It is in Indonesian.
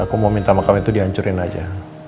aku mau minta makam itu dihancurin aja